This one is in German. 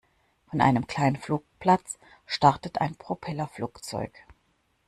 Von einem kleinen Flugplatz startet ein Propellerflugzeug.